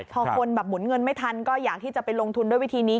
พอคนแบบหมุนเงินไม่ทันก็อยากที่จะไปลงทุนด้วยวิธีนี้